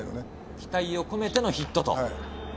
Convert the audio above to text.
期待を込めてのヒットと。